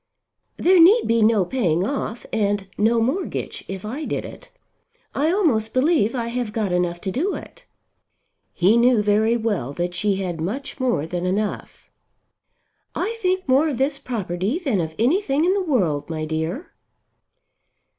"There need be no paying off, and no mortgage, if I did it. I almost believe I have got enough to do it." He knew very well that she had much more than enough. "I think more of this property than of anything in the world, my dear."